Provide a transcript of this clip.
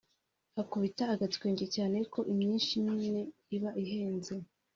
akubita agatwenge cyane ko imyinshi nyine iba ihenze